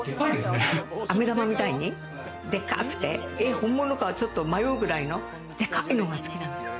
あめ玉みたいにでっかくて本物かちょっと迷うぐらいのでかいのが好きなんですよ。